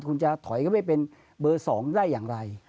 คุณจะถอยเข้าไปเป็นเบอร์๒ได้อย่างไร